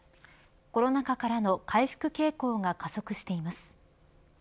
コロナ禍からの回復傾向が加速しています。